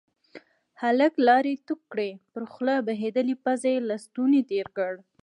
هلک لاړې تو کړې، پر خپله بهيدلې پزه يې لستوڼی تير کړ.